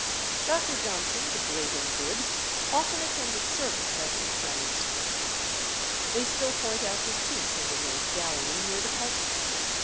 Dr. Johnson, the great and good, often attended service at St. Clement's Church. They still point out his seat in the north gallery, near the pulpit.